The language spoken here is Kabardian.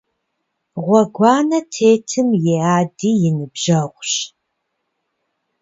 Гъуэгуанэ тетым и ади и ныбжьэгъущ.